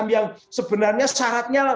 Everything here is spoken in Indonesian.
yang sebenarnya syaratnya